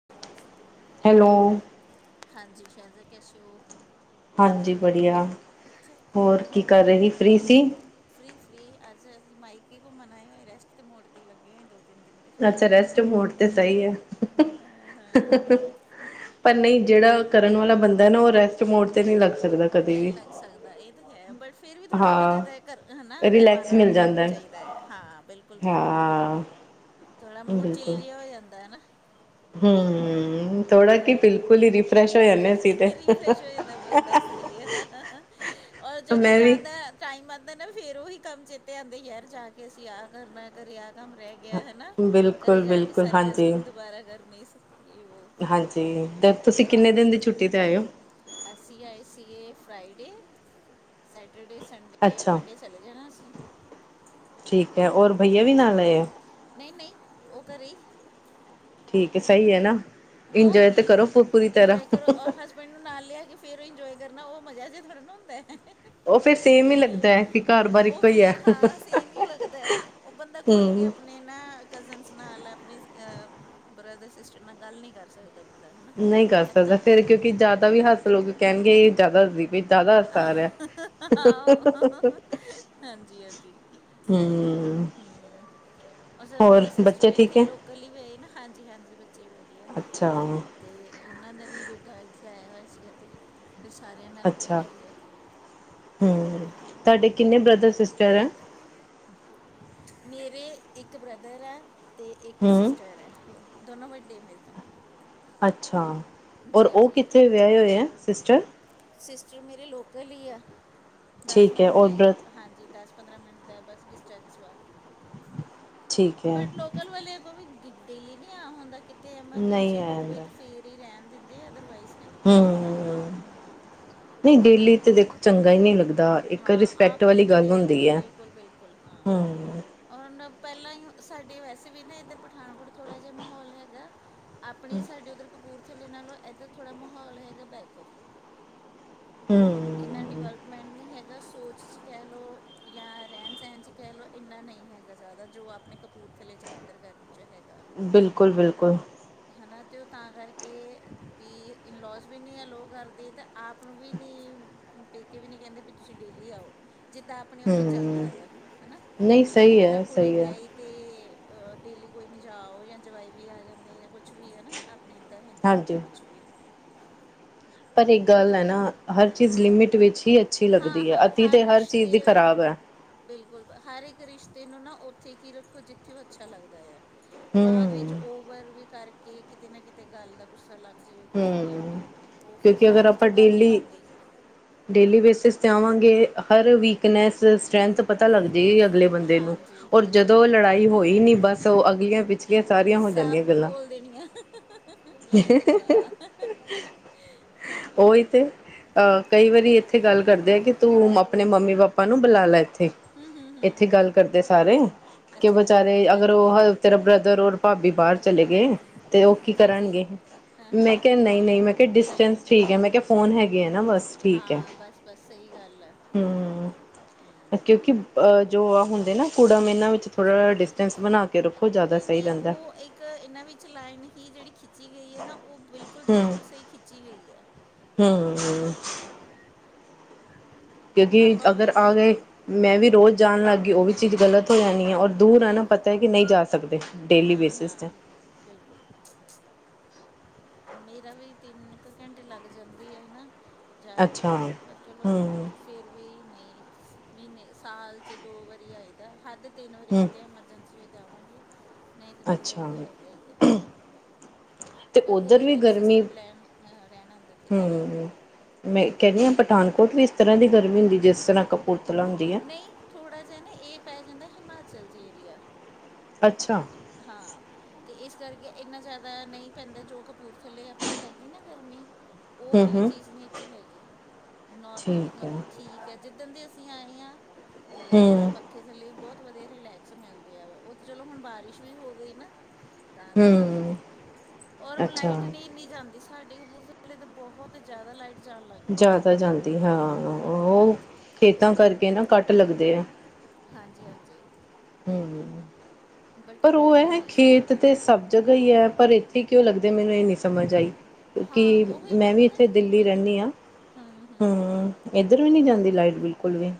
[unintelligible] Hello. ਹਾਂਜੀ ਸ਼ਰਦਾ ਕੈਸੇ ਓ। ਹਾਂਜੀ ਬੜੀਆ ਹੋਰ ਕੀ ਕਰ ਰਹੀ ਫ੍ਰੀ ਸੀ। ਫ੍ਰੀ-ਫ੍ਰੀ ਅੱਜ ਅਸੀਂ ਮਾਈਕੇ ਕੁੰਮਣ ਆਏ ਹੋਏ ਰੈਸਟ ਤੇ ਮੋੜ ਤੇ ਲੱਗੇ ਹੋਏ ਦੋ-ਤਿੰਨ ਦਿਨ। ਦੇ ਅੱਛਾ ਰੈਸਟ ਮੋਡ ਤੇ ਸਈ ਐ। ਹਾਂ ਹਾਂ ਪਰ ਨਈ ਜੇੜਾ ਕਰਨ ਵਾਲਾ ਬੰਦਾ ਐ ਨਾ ਓ ਰੈ ਨਈ ਲੱਗ ਸਕਦਾ ਏ ਤਾਂ ਹੈ ਬਟ ਫੇਰ ਵੀ ਥੋੜਾ-ਬੋਹਤਾ ਹਾਂ। ਤਾ ਕਰ ਹੈ ਨਾ ਰਿਲੈਕਸ ਕਰਵਾਣਾ ਵੀ ਮਿਲ ਜਾਂਦਾ ਹੈ। ਚਇਦਾ ਐ ਹਾਂ ਬਿਲਕੁਲ- ਬਿਲਕੁਲ। ਹਾਂ ਥੋੜਾ ਮੂਡ ਚਿਲ ਜੇਹਾ ਹੋ ਜਾਂਦਾ ਹੈਨਾ। ਹੂੰ। ਹਾਂ ਬਿਲਕੁਲ ਤੇ। ਰੀਫਰੈਸ਼ ਹੋ ਜਾਂਦਾ ਬੰਦਾ ਸਈ ਐ। ਔਰ ਜਦੋਂ ਮੈਂ ਵੀ। ਜਾਂਦਾ ਟਾਈਮ ਆਦਾ ਨਾ ਫੇਰ ਓਹੀ ਕੰਮ ਚੇਤੇ ਆਦੇ ਯਾਰ ਜਾ ਕੇ ਅਸੀਂ ਆਹ ਕਰਨਾ ਕਰੇ ਆਹ ਕੰਮ ਰਹਿ ਗਿਆ ਹੈਨਾ ਕਰੇ ਬਿਲਕੁਲ ਜਾ ਕੇ ਬਿਲਕੁਲ ਸਾਰੀ ਹਾਂਜੀ ਡਸਟਿੰਗ ਦੋਬਾਰਾ ਕਰਨੀ ਸਕੀ ਯੇ ਵੋ ਤੇ ਬਹੁਤ ਤੁਸੀਂ ਕਿੰਨੇ ਦਿਨ ਦੀ ਛੁੱਟੀ ਤੇ ਆਏ ਓ? ਅਸੀਂ ਆਈ ਸੀਏ ਫਰਾਈਡੇ। ਸੈਟਰਡੇ ਸੰਡੇ ਅੱਛਾ। ਮੰਡੇ ਚਲੇ ਜਾਣਾ ਅਸੀਂ। ਠੀਕ ਐ ਂਔਰ ਭਈਆ ਵੀ ਨਾਲ ਆਏ ਆ। ਨਹੀਂ ਨਹੀਂ ਉਹ ਘਰੇ ਹੀ ਠੀਕ ਹੈ ਸਈ ਐ ਨਾ। ਹੋਰ ਇੰਜੋਏ ਤੇ ਕੀ ਕਰੋ ਪੂਰੀ ਤਰ੍ਹਾਂ ਇੰਜੋਏ ਕਰੋ ਔਰ ਹਸ ਬੈਂਡ ਨੂੰ ਨਾਲ ਲਿਆ ਕੇ ਫਿਰ ਇੰਜੋਏ ਕਰਨਾ ਓ ਮਜ਼ਾ ਜਿਹਾ ਥੋੜਾ ਨਾ ਹੁੰਦਾ। ਉਹ ਫਿਰ ਸੇਮ ਹੀ ਲੱਗਦਾ ਹੈ ਕਿ ਘਰ ਬਾਰ ਓ ਇੱਕੋ ਹੀ ਹੈ ਫੇਰ ਹਾਂ ਸੇਮ ਹੀ ਲੱਗਦਾ ਓ ਬੰਦਾ ਖੁੱਲ ਕੇ ਹਮ ਅਪ ਣੇ ਨਾ ਕਜ਼ਨਸ ਨਾਲ ਅਪਣੇ ਅ ਬ੍ਰਦਰ ਸਿਸਟਰ ਨਾਲ ਗੱਲ ਨੀ ਕਰ ਸਕਦਾ। ਬੰਦਾ ਹੈਨਾ ਐਦਾਂ ਕਿ ਜ਼ਿਆਦਾ ਵੀ ਹੱਸ ਲੋਕ ਕਹਿਣਗੇ ਇਹ ਜ਼ਿਆਦਾ ਹੱਸਦੀ ਪੀ ਆਹੋ ਹਾਂਜੀ ਹਾਂਜੀ। ਹੂੰ ਅੱਛਾ ਮੇਰੀ ਸਿਸਟਰ ਵੀ ਠੀਕ ਇੱਥੇ ਹੈ ਲੋਕਲ ਹੀ ਵੇਆਈ ਨਾ ਹਾਂਜੀ ਹਾਂਜੀ ਬੱਚੇ ਵੀ ਵਧੀਆ। ਅੱਛਾ ਤੇ ਉਨਾਂ ਦਾ ਵੀ ਬੇਟਾ ਇੱਥੇ ਆਇਆ ਹੋਇਆ ਸੀਗਾ ਤੇ, ਫਿਰ ਸਾਰਿਆਂ ਨੇ ਅੱਛ, ਹੂੰ ਤੁਹਾਡੇ ਕਿੰਨੇ ਬ੍ਰਦਰ ਸਿਸਟਰ ਅਨ? ਮੇਰੇ ਇੱਕ ਬ੍ਰਦਰ ਐ। ਤੇ ਇੱਕ ਹਮ ਸਿਸਟਰ ਐ, ਦੋਨੋਂ ਵੱਡੇ ਮੇਰੇ ਤੋਂ। ਅੱਛਾ, ਔਰ ਜੀ ਔ ਜੀ ਕਿੱਥੇ ਵਿਆਹੇ ਹੋਏ ਐ ਸਿਸਟਰ? ਸਿਸਟਰ ਮੇਰੇ ਲੋਕਲ ਈ ਆ, ਦਸ ਠੀਕ ਹੈ ਮਿੰਟ ਔਰ ਦੀ ਬ੍ਰਦਰ ਹਾਂਜੀ ਦਸ ਪੰਦਰਾਂ ਮਿੰਟ ਦਾ ਬਸ ਡਿਸਟੈਂਸ ਵਾ, ਠੀਕ ਹੈ ਬਟ ਲੋਕਲ ਵਾਲੇ ਵੀ ਡੇਲੀ ਨਹੀ ਆ ਹੁੰਦਾ ਕਿਤੇ ਨਹੀਂ ਐਮਰਜੈਂਸੀ ਹੋਵੇ ਆਇਆ ਫੇਰ ਹੀ ਰਹਿਣ ਦਿੰਦੇ ਅਦਰਵਾਈਜ਼ ਨਹੀਂ ਹੂੰ, ਹੂੰ ਨੀ ਡੇਲੀ ਤੇ ਦੇਖੋ ਚੰਗਾ ਈ ਨਹੀਂ ਲੱਗਦਾ। ਇੱਕ ਹਾਂ ਰਿਸਪੈਕਟ ਆਪ ਵਾਲੀ ਇਨੀ ਗੱਲ ਨਹੀਂ ਹੁੰਦੀ ਹੈ। ਬਿਲਕੁਲ ਬਿਲਕੁਲ ਹਾਂ। ਹੂੰ ਔਣ ਪਹਿਲਾਂ ਈ ਸਾਡੇ ਵੈਸੇ ਵੀ ਨਾ ਇੱਧਰ ਪਠਾਨਕੋਟ ਥੋੜ੍ਹਾ ਜਿਹਾ ਮਾਹੌਲ ਹੈਗਾ। ਆਪਣੀ ਸਾਡੇ ਉੱਧਰ ਕਪੂਰਥੱਲੇ ਨਾਲੋਂ ਇੱਧਰ ਥੋੜ੍ਹਾ ਮਾਹੌਲ ਹੈਗਾ ਬੈਕ। ਇੰਨਾ ਹੂੰ ਡਿਵੈਲਪਮੈਂਟ ਨੀ ਹੈਗਾ ਸੋਚ ' ਕਹਿ ਲਉ। ਜਾਂ ਰਹਿਣ ਸਹਿਣ 'ਚ ਕਹਿ ਲਓ ਇੰਨਾ ਨਹੀਂ ਹੈਗਾ ਜ਼ਿਆਦਾ ਜੋ ਆਪਣੇ ਕਪੂਰਥਲੇ, ਜਲੰਧਰ ਗਰ 'ਚ ਹੈਗਾ। ਬਿਲਕੁਲ ਬਿਲਕੁਲ। ਹੈ ਨਾ ਤੇ ਉਹ ਤਾਂ ਕਰਕੇ ਵੀ ਇਨਲੋਸ ਵੀ ਨਹੀਂ ਹੈ ਲੋਅ ਕਰਦੇ ਤਾਂ ਆਪ ਨੂੰ ਵੀ ਨੀ ਪੇਕੇ ਵੀ ਨਹੀਂ ਕਹਿੰਦੇ ਵੀ ਤੁਸੀਂ ਡੇਲੀ ਆਓ, ਜਿੱਦਾਂ ਆਪ ਆਪਣੇ ਹੂੰ ਉੱਥੇ ਚੱਲਦਾ ਆ ਹਨਾ। ਨਹੀਂ ਵੀ ਸਹੀ ਲੋਕਲ ਆ ਹੈ ਕੁੜੀ ਸਹੀ ਹੈ ਵੇਆਈ ਤੇ ਡੇਲੀ ਕੋਈ ਨਹੀਂ ਜਾਓ ਜਾਂ ਜਵਾਈ ਵੀ ਆ ਜਾਂਦੀ ਜਾਂ ਕੁਛ ਵੀ ਹੈ ਨਾ ਆਪ ਆਪਣੇ ਇੱਦਾਂ ਹੈ ਨੀਂ ਇੱਧਰ ਹਾਂਜੀ ਕੁਛ ਵੀ ਪਰ ਇਕ ਗੱਲ ਐ ਨਾ, ਹਰ ਹੂੰ ਚੀਜ਼ ਲਿਮਿਟ ਵਿੱਚ ਹੀ ਅੱਛੀ ਹਾਂ ਲੱਗਦੀ ਆ ਹਾਂ ਅਤੀ ਤੇ ਹਰ ਚੀਜ਼ ਦੀ ਰਿਸ਼ਤੇ ਖ਼ਰਾਬ ਐ। ਬਿਲਕੁਲ ਹਰ ਇੱਕ ਰਿਸ਼ਤੇ ਨੂੰ ਨਾ ਉੱਥੇ ਕੀ ਰੱਖੋ ਜਿੱਥੇ ਅੱਛਾ ਲੱਗਦਾ ਆ। ਬਾਅਦ ਵਿੱਚ ਹੂੰ ਓਵਰ ਵੀ ਕਰਕੇ ਕਿਤੇ ਨਾ ਕਿਤੇ ਗੱਲ ਦਾ ਕੁ ਪਤਾ ਲੱਗ ਜਾਵੇ ਕੁਛ ਵੀ ਆ ਹਨਾ, ਹੂੰ ਉਹ ਫੇਿਰ ਕਿਉਂਕਿ ਅਗਰ ਬਾਅਦ ਵਿੱਚ ਆਪਾਂ ਉਹ ਗੱਲ ਨੀ ਡੇਲੀ ਬਣਦੀ। ਡੇਲੀ ਬੇਸਿਸ ਚਾਵਾਂਗੇ ਹਰ ਵੀਕਨੈਸ ਸਟਰ੍ਰੈਂਥ ਪਤਾ ਲੱਗ ਜੇ ਅਗਲੇ ਬੰਦੇ ਨੂੰ ਹਾਂਜੀ ਔਰ ਬਿਲਕੁਲ ਜਦੋਂ ਬਿਲਕੁਲ ਲੜਾਈ ਹੋਈ ਨਹੀਂ ਬਸ ਉਹ ਅਗਲੀਆਂ ਪਿਛਲੀਆਂ ਸਾਰੀਆਂ ਹੋ ਜਾਂਦੀਆਂ ਗੱਲਾਂ। ਹਾਂ, ਹਾ। ਉਹੀ ਤੇ ਕਈ ਵਾਰੀ ਇੱਥੇ ਗੱਲ ਕਰਦੇ ਆ ਕਿ ਤੂੰ ਆਪਣੇ ਮੰਮੀ ਪਾਪਾ ਨੂੰ ਬੁਲਾ ਲੈ ਇੱਥੇ ਹੂੰ ਹੂੰ ਇੱਥੇ ਗੱਲ ਕਰਦੇ ਸਾਰੇ, ਕਿ ਅੱਛਾ ਬੇਚਾਰੇ ਅਗਰ ਹਾਂਜੀ ਉਹ ਹਾਂਜੀ ਹਲ ਤੇਰਾ ਬ੍ਰਦਰ ਓ ਭਾਬੀ ਬਾਹਰ ਚਲੇ ਗਏ, ਤੇ ਉਹ ਕੀ ਜੀ ਜੀ ਕਰਨਗੇ। ਹਾਂ ਮੈਂ ਹਾਂ ਕਿਹਾ ਨਈ- ਨਈ, ਮੈਂ ਕਿਹਾ ਨਹੀਂ ਡਿਸਟੈਂਸ ਠੀਕ ਹੈ ਮੈਂ ਕਿਹਾ ਫੋਨ ਹੈਗੇ ਹੈ ਨਾ ਬਸ। ਹਾਂ ਬਸ, ਬਸ ਸਹੀ ਗੱਲ ਐ। ਹੂੰ, ਕਿਉਂਕਿ ਅਹ ਜੋ ਆ ਹੁੰਦੇ ਨਾ ਥੋੜਾ ਇਨਾਂ ਵਿੱਚ ਥੋੜ੍ਹਾ ਡਿਸਟੈਂਸ ਬਣਾ ਕੇ ਰੱਖੋ ਜ਼ਿਆਦਾ ਨਹੀਂ ਸਹੀ ਨਹੀਂ ਰਹਿੰਦਾ। ਉਹ ਇੱਕ ਇਹਨਾਂ ਵਿੱਚ ਲਾਈਨ ਹੀ ਜਿਹੜੀ ਖਿੱਚੀ ਗਈ ਐ ਨਾ ਉਹ ਬਿਲਕੁਲ -ਬਿਲਕੁਲ ਸਹੀ ਖਿੱਚੀ ਗਈ ਐ। ਹੂੰ ਕਿਉਂਕਿ ਆਪਾਂ ਅਗਰ ਆ ਵੀ ਗਏ ਮੈਂ ਵੀ ਰੋਜ਼ ਹਮ ਜਾਣ ਲੱਗ ਗਈ ਉਹ ਵੀ ਚੀਜ਼ ਗ਼ਲਤ ਹੋ ਜਾਣੀ ਹੈ ਔਰ ਦੂਰ ਹੈ ਨਾ ਬਿਲਕੁਲ ਪਤਾ ਹੈ ਕਿ ਨਹੀਂ ਜਾ ਸਕਦੇ। ਡੇਲੀ ਹਾਂ, ਬੇਸਿਸ ਤੇ ਹਾਂ ਬਿਲਕੁਲ। ਮੇਰਾ ਵੀ ਤਿੰਨ ਕੁ ਘੰਟੇ ਲੱਗ ਜਾਂਦੇ ਆ ਨਾ। ਚੈਨੂੰ ਅੱਛਾ ਤੇ ਚਲੋ। ਹਮ ਫਿਰ ਵੀ ਨਈ ਮ੍ਹੀਨੇ ਸਾਲ 'ਚ ਦੋ ਵਾਰੀ ਆਈ ਦਾ ਹੱਦ ਤਿੰਨ ਵਾਰੀ ਹਮ ਕਿਤੇ ਐਮਰਜੈਂਸੀ ਹੋਏ ਤਾਂ ਆਵਾਂਗੇ ਨਈ ਤੇ ਦੋ ਵਾਰੀ ਅੱਛਾ ਤੇ ਸੈਗਾ ਈ ਐ। ਤੇ ਉੱਧਰ ਵੀ ਮੇਰੇ ਗਰਮੀ ਸਿਸਟਰ ਲੈਣ ਅ, ਰਹਿਣ ਆਉਂਦੇ ਕਿੱਧਰ ਹੂੰ। ਮੈਂ ਕੈਂਣੀ ਆਂ ਪਠਾਨਕੋਟ ਵੀ ਇਸ ਤਰ੍ਹਾਂ ਦੀ ਗਰਮੀ ਹੁੰਦੀ ਜਿਸ ਤਰ੍ਹਾਂ ਕਪੂਰਥਲਾ ਹੁੰਦੀ। ਹੈ ਨਈ ਥੋੜ੍ਹਾ ਜਿਹਾ ਨਾ ਇਹ ਪੈ ਜਾਂਦਾ ਹਿਮਾਚਲ 'ਚ ਏਰੀਆ ਅੱਛਾ ਹਾਂ। ਤੇ ਇਸ ਕਰਕੇ ਇੰਨਾ ਜਾਦਾ ਨਈ ਪੈਂਦਾ ਜੋ ਕਪੂਰਥੱਲੇ ਆਪਣੀ ਹੈਗੀ ਨਾ ਗਰਮੀ ਓ ਹਮ ਵਾਲੀ ਹਮ ਚੀਜ਼ ਨਈ ਇੱਥੇ ਹੈਗੀ ਨੋਰਮ ਠੀਕ ਹੈ ਮਤਲਬ ਠੀਕ ਹੈ ਜਿੱਦਣ ਦੇ ਅਸੀਂ ਆਏ ਆਈਆਂ ਤੇ ਹਮ ਪੱਖੇ ਥੱਲੇ ਬੋਤ ਵਧੀਆ ਰਿਲੈਕਸ ਮਿਲਦੀ ਵਾ ਓ ਚਲੋ ਹੁਣ ਬਾਰਿਸ਼ ਵੀ ਹੋ ਗਈ ਨਾ। ਤਾਂ ਕਰਕੇ ਵੀ ਹਮ ਔਰ ਅੱਛਾ ਲਾਈਟ ਨਈ ਇੰਨੀ ਜਾਂਦੀ ਸਾਡੇ ਕਪੂਰ ਕਿ ਲੇ ਤੇ ਬਹੁਤ ਜਾਦਾ ਲਾਈਟ ਜਾਣ ਲੱਗ ਪਈ ਜਾਦਾ ਹੈ ਜਾਂਦੀ ਹਾਂ ਓ ਹਾਂਜੀ ਖੇਤਾਂ ਕਰਕੇ ਨਾ ਕੱਟ ਲੱਗਦੇ ਆ। ਹਾਂਜੀ- ਹਾਂਜੀ ਹੂੰ ਬਟ ਪਰ ਓ ਇੱਧਰ ਐ ਨਹੀਂ ਇਸ਼ੂ ਖੇਤ ਹੈਗਾ ਤੇ ਸਬ ਜਗ੍ਹਾ ਈ ਹੈ ਪਰ ਇੱਥੇ ਕਿਉਂ ਲੱਗਦੇ ਮੈਨੂੰ ਇਹ ਨੀ ਸਮਝ ਆਈ। ਹਾਂ ਕਿਉਕਿ ਉਹੀ ਨਾ ਮੈਂ ਵੀ ਪਤਾ ਇੱਥੇ ਨਹੀਂ ਕਿਉਂ ਦਿੱਲੀ ਇੱਧਰ ਰੈਂਣੀ ਆਂ ਹਮ ਹਮ ਹੂੰ। ਇੱਧਰ ਵੀ ਨਈ ਜਾਂਦੀ ਲਾਈਟ ਬਿਲਕੁਲ ਵੀ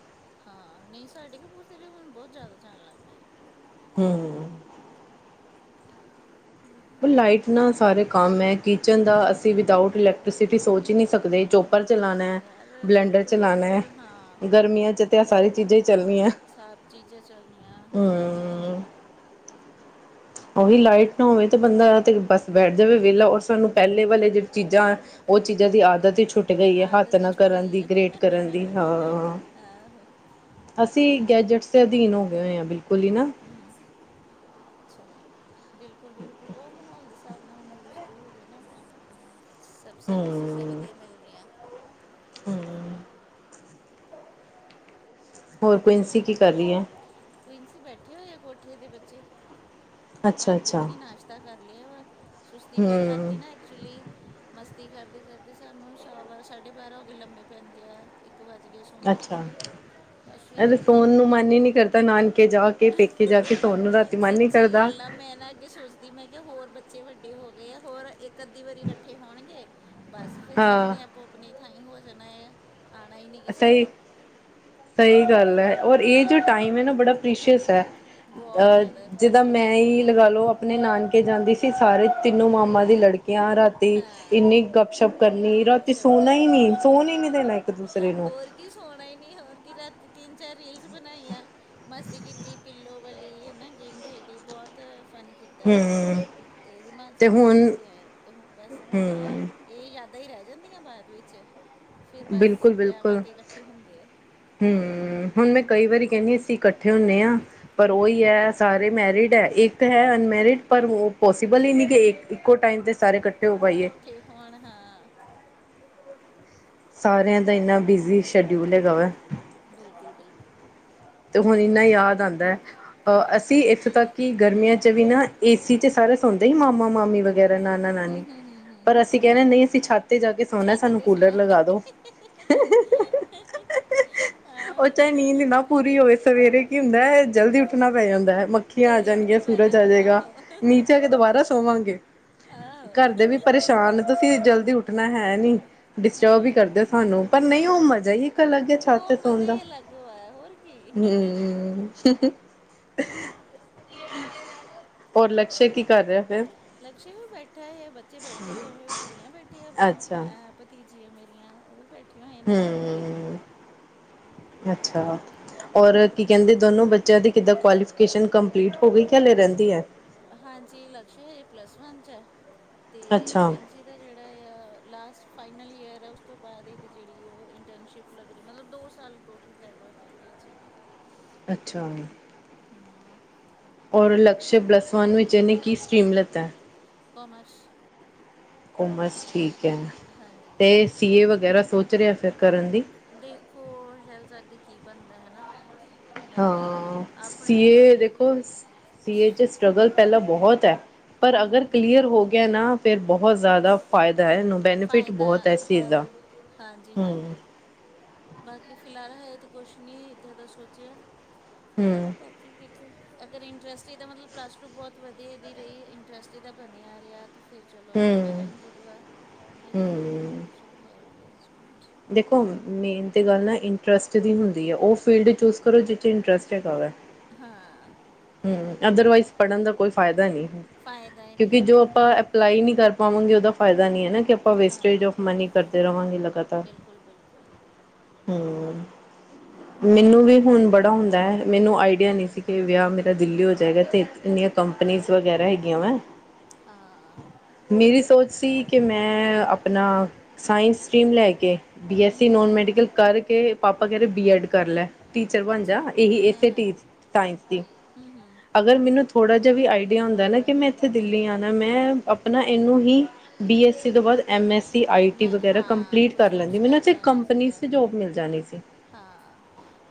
ਹਾਂ ਨਈ ਸਾਡੇ ਕਪੂਰਥਲੇ ਤੇ ਵੀ ਹੁਣ ਬੋਤ ਜਾਦਾ ਜਾਣ ਲੱਗ ਪਈ ਏ। ਹੂੰ ਬਾਕੀ ਲਾਈਟ ਪਤਾ ਨਾਲ ਸਾਰੇ ਨਹੀਂ ਕੰਮ ਹੈ ਕਿਚਨ ਦਾ ਅਸੀਂ ਵਿਦਊਟ ਇਲੈਕਟ੍ਰੀਸਿਟੀ ਸੋਚ ਹੀ ਨਈ ਸਕਦੇ ਜੋ ਕਪਰ ਚਲਾਣਾ ਨਹੀਂ ਯਾਰ ਬਲੈਂਡਰ ਬਿਲਕੁਲ ਚਲਾਣਾ ਬਿਲਕੁਲ ਹਾਂ ਗਰਮੀਆਂ 'ਚ ਤੇ ਸਾਰੀ ਚੀਜ਼ਾਂ ਹੀ ਚੱਲਣੀਆਂ ਸਭ ਚੀਜ਼ਾਂ ਚੱਲਣੀਆਂ ਹੋਰ ਕੀ ਹੂੰ। ਉਹੀ ਲਾਈਟ ਨਾ ਹੋਵੇ ਤੇ ਬੰਦਾ ਤੇ ਬਸ ਬੈਠ ਜਾਵੇ ਵਿਹਲਾ ਔਰ ਸਾਨੂੰ ਪੈਲੇ ਵਾਲੇ ਜਿਹੜੀ ਚੀਜ਼ਾਂ ਓ ਚੀਜ਼ਾਂ ਦੀ ਆਦਤ ਹੀ ਛੁੱ ਛੂਟ ਗਈ ਹੈ ਹੱਥ ਆਦਤ ਦੀ ਨਾ ਛੁੱਟ ਕਰਨ ਗਈ ਦੀ ਹੈ ਗਰੇੇਟ ਕਰਨ ਦੀ ਹਾਂ। ਆਹੋ ਅਸੀਂ ਗੈਜਟਸ ਦੇ ਅਧੀਨ ਹੋ ਗਏ ਹੋਏ ਆਂ ਬਿਲਕੁਲ ਹੀ ਨਾ। ਹੂੰ ਅੱਛਾ ਬਿਲਕੁਲ-ਬਿਲਕੁਲ ਮਾਹੌਲ ਹਿਸਾਬ ਨਾਲ ਯੂਜ਼ਡ ਹੋਵੇ ਨਾ ਸਭ ਸਰਵਿਸਿਸ ਵਧੀਆ ਮਿਲ ਰਈਆਂ। ਹੂੰ ਹੋਰ ਪ੍ਰਿੰਸੀ ਕੀ ਕਰ ਰਈ ਐ। ਪ੍ਰਿੰਸੀ ਬੈਠੇ ਹੋਏ ਆ ਕੋਠੇ ਦੇ ਬੱਚੇ ਅੱਛਾ ਨਾਤੀ ਅੱਛਾ ਵੀ ਨੀ ਨਾਸ਼ਤਾ ਕਰ ਲਿਆ ਵ ਸੁਸਤੀ ਪਈ ਰਾਤੀ ਹਮ ਨਾ ਇੱਕ ਐਕਚੁਲੀ ਮਸਤੀ ਕਰਦੇ-ਕਰਦੇ ਸਾਨੂੰ ਸਵਾ ਬਾਰ੍ਹਾਂ ਸਾਢੇ ਬਾਰ੍ਹਾਂ ਹੋ ਗੇ ਲੰਮੇ ਪੈਂਦਿਆ। ਇੱਕ ਵਜ ਗਿਆ ਸੌਂਦਿਆਂ ਅੱਛਾ ਹਨਾ। ਬਸ ਸਵੇਰੇ ਸੋਣ ਜਲਦੀ ਨੂੰ ਉੱਠ ਮਨ ਹੀ ਗਏ ਨੀ ਕਰਦਾ ਨਾਨਕੇ ਜਾ ਕੇ ਪੇਕੇ ਜਾ ਕੇ ਸੋਣ ਨੂੰ ਰਾਤੀ ਮਨ ਨੀ ਸੱਚੀ ਕਰਦਾ। ਗੱਲ ਆ ਮੈਂ ਨਾ ਅੱਗੇ ਸੋਚਦੀ ਮੈਂ ਕਿ ਹੋਰ ਬੱਚੇ ਵੱਡੇ ਹੋ ਗਏ ਆ ਹੋਰ ਇ ਅੱਧੀ ਵਾਰੀ ਇਕੱਠੇ ਹੋਣਗੇ ਬਸ ਫਿਰ ਸਭ ਹਾਂ ਨੇ ਆਪੋ ਆਪਣੀ ਥਾਈ ਹੋ ਜਾਣਾ ਆ। ਆਣਾ ਈ ਨਈ ਕਿਸੇ ਨੇ। ਸਈ ਗੱਲ ਐ। ਔਰ ਇਹ ਜੋ ਹਾਂ ਟਾਈਮ ਹੈ ਨਾ ਬੜਾ ਪ੍ਰੀਸ਼ੀਅਸ ਹੈ ਬਹੁਤ ਅ ਜ਼ਿਆਦਾ ਜਿੱਦਾਂ ਬਿਲਕੁਲ ਮੈਂ ਈ ਲਗਾ ਲਓ। ਆਪਣੇ ਨਾਨਕੇ ਜਾਂਦੀ ਸੀ ਸਾਰੇ ਤਿੰਨੋ ਮਾਮਾ ਦੀ ਲੜਕ ਕੀਆਂ ਹਾਂ ਰਾਤੀ ਹਾਂ ਇੰਨੀ ਗੱਪਸ਼ੱਪ ਕਰਨੀ ਰਾਤੀ ਗੱਪਸ਼ਪ ਸੋਣਾ ਹੀ ਨਈ ਕਰਨੀ ਸੋਣ ਹੀ ਨਈ ਦੇਣਾ ਇੱਕ ਦੂਸੇ ਹੋਰ ਕੀ ਸੋਣਾ ਈ ਨਹੀਂ ਹੋਰ ਕੀ ਰਾਤੀ ਤਿੰਨ-ਚਾਰ ਰੀਲਸ ਬਣਾਈਆਂ ਮਸਤੀ ਕੀਤੀ ਪਿੱਲੋ ਵਲੀ ਹੇਨਾ ਗੇਮ ਖੇਡੀ ਬੋਹਤ ਫਨ ਕੀਤਾ ਹਮ ਤੇ ਤੇ ਹਿਮਾਚਲ ਚ ਕੁੰਮ ਹੁਣ ਕੇ ਆਏ ਤੇ ਹੁਣ ਬਸ ਮੈਂ ਕੇਆ ਹਮ ਕਿ ਏ ਯਾਦਾਂ ਈ ਰਹਿ ਜਾਂਦੀਆਂ ਬਾਦ ਵਿੱਚ ਫਿਰ ਬਸ ਵਿਹਆਵਾਂ ਤੇ ਇਕੱਠੇ ਹੁੰਦੇ ਆ। ਹੂੰ ਹੁਣ ਮੈਂ ਕਈ ਵਾਰੀ ਕੈਣੀ ਆ ਅਸੀ ਇੱਕ ਠੇ ਹੁਣੇ ਆਾਂ ਪਰ ਓਈ ਹਾਂ ਐ ਸਾਰੇ ਮੈਰਿਡ ਐ ਏਕ ਹੈ ਅਨਮੈਰਿਡ ਪਰ ਓ ਪੋਸੀਬਲ ਈ ਨੀ ਕਿ ਇੱਕ ਇੱਕੋ ਟਾਈਮ ਤੇ ਸਾਰੇ ਕੱਠੇ ਹੋ ਪਾਈਏ। ਕੇ ਹੋਣ ਹਾਂ ਸਾਰੇਆਂ ਦਾ ਏਨਾ ਬਿਜ਼ੀ ਸ਼ਐਡਿਊਲ ਹੈਗਾ ਵੈ। ਬਿਲਕੁਲ-ਬਿਲਕੁਲ। ਤੇ ਹੁਣ ਏਨਾ ਯਾਦ ਆਂਦਾ। ਅ ਅਸੀਂ ਇੱਥੋਂ ਤੱਕ ਕਿ ਗਰਮੀਆਂ ਚ ਵੀ ਨਾ ਏ ਸੀ ਚ ਸਾਰੇ ਸੌਂਦੇ ਹੀ ਮਾਮਾ-ਮਾਮੀ ਵਗੈ ਵੈਰਾ ਹੂੰ ਨਾਨਾ-ਨਾਨੀ ਹੂੰ ਹੂੰ ਹੂੰ ਪਰ ਅਸੀਂ ਕਹਿਣੇ ਨਈ ਅਸੀਂ ਛੱਤ ਤੇ ਜਾ ਕੇ ਸੋਣਾ ਛੱਤ ਸਾਨੂੰ ਤੇ ਕੂਲਰ ਸੋਣਾ ਲਗਾ ਦੋ। ਓ ਚਾਏ ਆਹੋ ਨੀਂਦ ਨਾ ਪੂਰੀ ਹੋਏ ਸਵੇਰੇ ਕੀ ਹੁੰਦਾ ਜਲਦੀ ਉੱਠਣਾ ਪੈ ਜਾਂਦਾ। ਮਖੀਆਂ ਆ ਜਲਦੀ ਜਾਣਗੀਆਂ ਉੱਠਣਾ ਪੈਣਾ ਸੂਰਜ ਆ ਜੇਗਾ ਆਹੋ ਨੀਚੇ ਆ ਕੇ ਦੋਬਾਰਾ ਸੋਵਾਂਗੇ। ਆਹੋ ਕਾਰਦੇ ਵੀ ਪਰੇਸ਼ਾਨ ਤੁਸੀਂ ਜਲਦੀ ਉੱਠ ਠਣਾ ਹੈ ਨੀ ਡਿਸਟਰਬ ਹੀ ਹਾਂ ਕਰਦੇ ਹੋ ਸਾਨੂੰ ਪਰ ਨਈ ਓ ਮਜ਼ਾ ਹੀ ਅਲੱਗ ਹੈ ਛੱਤ ਓ ਤੇ ਸੌਣ ਮਜ਼ਾ ਦਾ। ਈ ਅਲੱਗ ਵਾ ਹੋਰ ਕੀ ਹੂੰ ਚੈਕ ਕੀ ਕਰ ਰੇਹਾ ਫੇਰ ਲਕਸ਼ੇ ਵੀ ਬੈਠਾ ਆ ਬੱਚੇ ਬੈਠੇ ਦੋਵੇਂ ਕੁੜੀਆਂ ਬੈਠੀਆ ਅੱਛਾ। ਅ ਪਤੀਜੀਆਂ ਮੇਰੀਆਂ ਓ ਵੀ ਬੈਠੀਆਂ ਹੋਈਆਂ ਨਾ-ਨੂੰ ਕੇ। ਹੂੰ, ਅੱਛਾ ਹੋਰ ਕੀ ਹਾਂ ਕੈੰਦੇ ਦੋਨੋ ਬੱਚਿਆਂ ਦੀ ਕਿੱਦਾਂ ਕੁਆਲੀਫਿਕੇਸ਼ਨ ਕੰਪਲੀਟ ਹੋ ਗਈ ਕੇ ਹਲੇ ਰੈਂਦੀ ਐ। ਹਾਂਜੀ ਲਕਸ਼ ਹਜੇ ਪਲੱਸ ਵਨ ਚ ਐ ਤੇ ਅੱਛਾ। ਕਵਿੰ ਅ ਇਹਦਾ ਜੇੜਾ ਆ ਲਾਸਟ ਫਾਈਨਲ ਈਅਰ ਆ ਉਸ ਤੋਂ ਬਾਅਦ ਇਹਦੀ ਜੇੜੀ ਓ‌ ਇੰਟਰਨਸ਼ਿਪ ਲੱਗਨੀ ਮਤਲਬ ਦੋ ਸਾਲ ਟੋਟਲ ਕਹਿ ਲੋ ਹੈਗੇ ਆ ਹਜੇ ਵੀ। ਅੱਛਾ। ਹੂੰ। ਔਰ ਲਕਸ਼ ਬਲੱਸਵਾਨ ਵਿੱਚ ਇਹਨੇ ਕੀ ਸਟ੍ਰੀਮ ਲਿਤਾ। ਕੋਮਰਸ਼ ਕੋਮਸ ਠੀਕ ਐ ਹਾਂਜੀ ਤੇ ਸੀ ਏ ਵਗੈਰਾ ਸੋਚ ਰੇਹਾ ਫਿਰ ਕਰਨ ਦੀ ਦੇਖੋ ਹੈੱਲ ਸਾਡੇ ਕੀ ਬਣਦਾ ਹੈਨਾ ਹਾਂ ਸੀਏ ਤਾਂ ਦੇਖੋ ਸੀ ਏ ਚ ਸਟਰਗਲ ਪੈਲਾਂ ਬੋਹਤ ਹੈ ਹੂੰ ਪਰ ਹੂੰ ਅਗਰ ਹੂੰ ਕਲੀਅਰ ਹੋ ਗਯਾ ਨਾ ਫਿਰ ਬੋਹਤ ਜ਼ਿਆਦਾ ਫਾਇਦਾ ਐ ਇਹਨੂੰ ਬੈਨੀਫਿਟ ਫਾਇਦਾ ਬੋਹਤ ਹੈ ਇਸ ਚੀਜ਼ ਹਾਂ ਦਾ ਹਾਂਜੀ ਹੂੰ ਹਾਂਜੀ ਬਾਕੀ ਫਿਲਹਾਲ ਹਜੇ ਤਾਂ ਕੁਛ ਨੀ ਇੱਦਾਂ ਦਾ ਸੋਚਿਆ ਹੂੰ, ਬਾਕੀ ਵੇਖੋ ਅਗਰ ਇੰਟਰਸਟ ਇਹਦਾ ਮਤਲਬ ਪਲੱਸ ਟੂ ਬੋਹਤ ਵਧੀਆ ਦੀ ਰਹੀ ਇੰਟਰਸਟ ਇਦਾ ਬਣਯਾ ਰੇਆ। ਤੇ ਫਿਰ ਚਲੋ ਵੈਲ ਹੂੰ, ਐਂਡ ਗੁੱਡ ਵਾ ਨਈ ਤਾਂ ਫਿਰ ਬਾਕੀ ਹੂੰ। ਤਾਂ ਚਲੋ ਹੈ ਹੀ ਐ ਸਕੂਲ ਚ ਦੇਖੋ ਮੇਨ ਤੇ ਗੱਲ ਨਾ ਇੰਟਰਸਟ ਦੀ ਹੁੰਦੀ ਐ ਓ ਫੀਲਡ ਚੂਜ ਕਰੋ ਜਿਰੇ ਚ ਇੰਟਰਸਟ ਹੈਗਾ ਵੈ। ਹਾਂ। ਹੂੰ ਅਦਰਵਾਈਜ਼ ਪੜ੍ਹਨ ਦਾ ਕੋਈ ਫਾਇਦਾ ਨੀ ਹੈ ਫਾਇਦਾ ਹੀ ਕਿਉਂਕਿ ਨਹੀਂ ਜੋ ਬਿਲਕੁਲ ਆਪਾਂ ਅਪਲਾਈ ਨੀ ਕਰ ਪਾਵਾਂਗੇ ਓਦਾ ਫਾਇਦਾ ਨੀ ਐ ਨਾ ਕਿ ਆਪਾਂ ਵੇਸਟੇਜ ਹਾਂ ਆੱਫ ਮਨੀ ਕਰਦੇ ਰਵਾਂਗੇ ਲਗਾਤਾਰ ਬਿਲਕੁਲ ਬਿਲਕੁਲ ਹੂੰ ਹੂੰ ਮੈਨੂੰ ਵੀ ਹੁਨ ਬੜਾ ਹੁੰਦਾ ਐ, ਮੈਨੂੰ ਆਈਡੀਆ ਨਹੀਂ ਸੀ, ਕਿ ਵਿਆਹ ਮੇਰੇ, ਦਿੱਲੀ ਹੋ ਜਾਏਗਾ, ਤੇ ਇੰਨੀਆਂ ਕੰਪਨੀਜ਼ ਵਗੈਰਾ ਹੈਗੀਆਂ ਵੇ। ਹਾਂ, ਮੇਰੀ ਸੋਚ ਸੀ, ਕਿ ਮੈਂ ਆਪਨਾ ਸਾਇੰਸ ਸਟਰੀਮ ਲੈ ਕੇ ਬੀ -ਐੱਸ- ਹੂੰ ਸੀ, ਨੋਨ ਹੂੰ ਮੈਡੀਕਲ ਕਰਕੇ ਪਾਪਾ ਕੇਹ ਰਹੇ ਬੀ ਐਡ ਕਰ ਲੈ। ਟੀਚਰ ਬਣ ਅੱਛਾ ਜਾਂ, ਜੀ ਇਹੀ ਇਸੇ ਟੀਚ ਸਾਇੰਸ ਦੀ। ਹੂੰ-ਹੂੰ, ਅਗਰ, ਮੈਨੂੰ ਥੋੜ੍ਹਾ ਜਿਹਾ ਵੀ ਆਈਡੀਆ ਹੁੰਦਾ ਨਾ, ਕਿ ਮੈਂ ਇੱਥੇ ਦਿੱਲੀ ਆਣਾ, ਮੈਂ ਆਪਣਾ ਏਨੂੰ ਹੀ - ਬੀ- ਐੱਸ- ਸੀ ਤੋਂ ਬਾਅਦ M- S -C, I- T ਮੈਂ ਵਗੈਰਾ ਹਾਂ ਕੰਪਲੀਟ ਕੁਛ ਕਰ ਨਾ ਲੈਂਦੀ, ਕੁਛ ਮੈਨੂੰ ਉੱਥੇ ਇੱਕ ਲੈਣਾ ਕੰਪਨੀ ਸੀਗਾ 'ਚ ਜੋਬ ਮਿਲ ਜਾਣੀ ਸੀ। ਹਾਂ।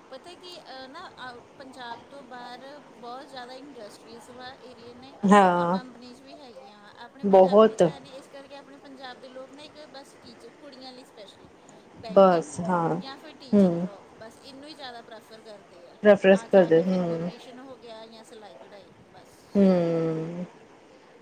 ਪਤਾ ਕਿ, ਨਾ ਆਊ ਪੰਜਾਬ ਤੋਂ ਬਾਹਰ ਬਹੁਤ ਜਾਦਾ ਇੰਡਸਟਰੀਜ਼ ਵਾ। ਏਰੀਏ ਨੇ, ਔਰ ਹਾਂ ਕੰਪਨੀਜ ਵੀ ਹੈਗੀਆਂ ਵਾ, ਆਪਣੇ ਪੰਜਾਬ 'ਚ ਬਹੁਤ ਕੁਛ ਹੈ ਨਈ ਇਸ ਕਰਕੇ ਆਪਣੇ, ਪੰਜਾਬ ਦੇ ਲੋਕ ਨਾ, ਇੱਕ ਬਸ ਟੀਚਰ ਕੁੜੀਆਂ ਲਈ ਸਪੈਸ਼ਲੀ ਬੈਂਕਿੰਗ ਬਸ ਹਾਂ ਜਾਂ ਫਿਰ ਟੀਚਿੰਗ ਹਮ ਜੋਬ, ਬਸ ਏਨੂੰ ਈ ਜਾਦਾ ਪ੍ਰੈਫਰ ਕਰਦੀ। ਆ ਰੈਫਰੈਂਸ ਜਾ ਕਰਦੇ ਕੇ ਫਿਰ ਹਮ ਬਿਊਟੀਸ਼ਨ ਹੋ ਗਿਆ, ਜਾਂ ਸਿਲਾਈ ਕਢਾਈ ਬਸ। ਹੂੰ,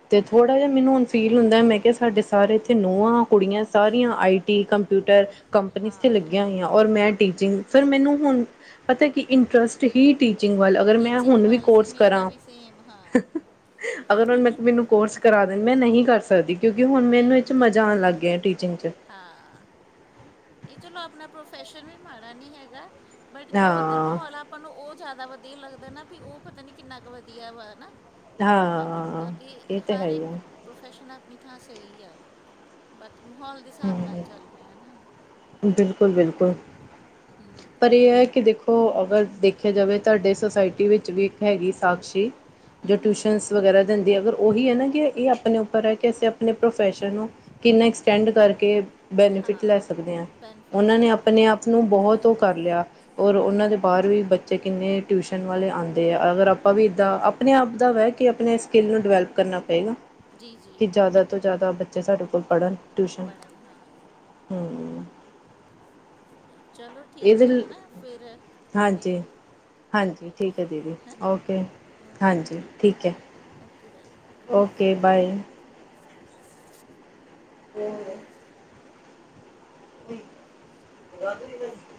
ਤੇ ਥੋੜ੍ਹਾ ਜਿਹਾ, ਮੈਨੂੰ ਹੁਣ ਫੀਲ ਹੁੰਦਾ, ਮੈਂ ਕਿਆ ਸਾਡੇ ਸਾਰੇ ਇੱਥੇ ਨੌਆਂ, ਕੁੜੀਆਂ ਸਾਰੀਆਂ ਆਈ ਟੀ, ਕੰਪਿਊਟਰ ਕੰਪਨੀਸ 'ਚ ਹਾਂ ਲੱਗੀਆਂ ਹੋਈਆਂ। ਔਰ ਮੈਂ ਟੀਚਿੰਗ ਫੇਰ, ਮੈਨੂੰ ਹੁਣ ਪਤਾ ਕਿ ਇੰਟ੍ਸ ਹੀ ਟੀਚਿੰਗ ਵ ਅਗਰ, ਮੈਂ ਟੀਚਿੰਗ ਹੁਣ ਵੀ ਵੱਲ ਸੀ ਕੋਰਸ ਮੇਰਾ ਕਰਾਂ। ਵੀ ਸੇਮ ਹਾਂ ਅਗਰ ਹੁਣ ਮੈਂ ਮੈਨੂੰ ਕੋਰਸ ਕਰਾ ਦੇਣ, ਮੈਂ ਨਹੀਂ ਕਰ ਸਕਦੀ, ਕਿਉਂਕਿ ਹੁਣ ਨਹੀਂ ਮੈਨੂੰ ਏਹ 'ਚ ਹੁੰਦਾ ਮਜ਼ਾ ਆਉਣ ਲੱਗ ਗਿਆ ਟੀਚਿੰਗ 'ਚ ਹਾਂ। ਨਹੀਂ, ਚਲੋ ਆਪਣਾ ਪ੍ਰੋਫੈਸ਼ਨ ਵੀ ਮਾੜਾ ਨਹੀਂ ਹੈਗਾ, ਬਟ ਜੋ ਉੱਧਰ ਹਾਂ ਮਾਹੌਲ ਆਪਾਂ ਨੂੰ ਉਹ ਜਾਦਾ ਵਧੀਆ ਲੱਗਦਾ ਨਾ, ਵੀ ਉਹ ਪਤਾ ਨੀ ਕਿੰਨਾ ਕੁ ਵਧੀਆ ਵੋ ਐ ਨਾ ਬਾ, ਹਾਂ ਬਾਕੀ ਇਹ ਤਾਂ ਹੈ ਹਰ ਹੀ ਇੱਕ ਆ ਪ੍ਰੋਫੈਸ਼ਨ ਆਪਣੀ ਥਾਂ ਸਈ ਆ ਬਾਕੀ ਮਾਹੌਲ ਦੇ ਹਿਸਾਬ ਨਾਲ ਚੱਲ ਰਿਹਾ ਨਾ। ਕੰਮ। ਬਿਲਕੁਲ -ਬਿਲਕੁਲ, ਹੂੰ ਪਰ ਏਹ ਐ ਕਿ ਦੇਖੋ ਅਗਰ ਦੇਖਿਆ ਜਾਵੇ ਤੁਆਡੇ ਸੋਸਾਇਟੀ ਵਿੱਚ ਵੀ ਇੱਕ ਹੈਗੀ, ਸਾਕਸ਼ੀ ਜੋ ਹੂੰ ਟਿਊਸ਼ਨ ਹੂੰ ਵਗੈਰਾ ਦਿੰਦੀ ਐ, ਅਗਰ ਓਹੀ ਐ ਨਾ ਕਿ ਏਹ ਆਪਨੇ ਉੱਪਰ ਐ ਕਿ ਅਸੀਂ ਆਪਣੇ ਪ੍ਰੋਫੈਸ਼ਨ ਨੂੰ ਕਿੰਨਾ, ਐਕਸਟੈਂਡ ਕਰਕੇ ਬੈਨੀਫਿਟ ਲੈ ਹਾਂ ਸਕਦੇ ਆਂ। ਉਨਾਂ ਬੈਨੀਫਿਟਸ ਨੇ ਲੈ ਆਪਨੇ ਸਕਦੇ ਆਪ ਨੂੰ ਬਹੁਤ ਓ ਕਰ ਲਿਆ ਔਰ ਉਨਾਂ ਦੇ ਹੂੰ ਬਾਹਰ ਹੂੰ ਵੀ ਬੱਚੇ ਕਿੰਨੇ ਟਿਊਸ਼ਨ ਵਾਲੇ ਆਂਦੇ ਆ, ਅਗਰ ਆਪਾਂ ਵੀ ਇੱਦਾਂ ਆਪਨੇ ਆਪ ਦਾ ਵੇ ਕੇ ਆਪਨੇ ਸਕਿੱਲ ਨੂੰ ਡਿਵੈਲਪ ਕਰਨਾ ਪਏਗਾ ਜੀ ਜੀ ਕਿ, ਜਾਦਾ ਤੋਂ ਹੂੰ ਜਾਦਾ ਬੱਚੇ ਸਾਡੇ ਕੋਲ ਪੜ੍ਹਨ ਟਿਊਸ਼ਨ, ਪੜਨ ਹਾਂ ਹੂੰ। ਚਲੋ ਠੀਕ ਐ, ਇਹਦੇ ਹੈਨਾ ਫਿਰ ਮਿਲਦੇ ਆ। ਹਾਂਜੀ ਹਾਂਜੀ ਠੀਕ ਐ ਦੀਦੀ, ਹਾਂ ਓਕੇ, ਹਾਂਜੀ ਠੀਕ ਹੈ। ਓਕੇ-ਬਾਏ। ਓਕੇ-ਬਾਏ। [unintelligible] [unintelligible]